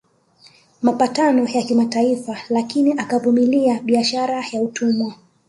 Mapatano ya kimataifa lakini akavumilia biashara ya watumwa